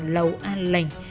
lẩu an lành